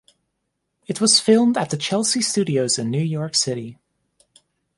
It was filmed at the Chelsea Studios in New York City.